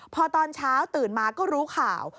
พอตอนเช้าตื่นมาก็รู้ข่าว